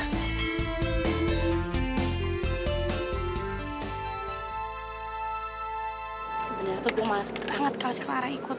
sebenernya tuh gue males banget kalau si clara ikut